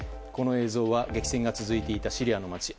この映像は激戦が続いていたシリアの街